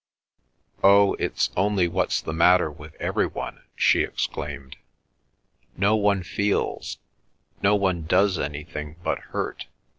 "Oh, it's only what's the matter with every one!" she exclaimed. "No one feels—no one does anything but hurt.